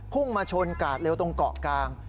พุ่งมาชนกาดเร็วตรงเกาะกลาง